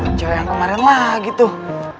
wah cerai yang kemarin lagi tuh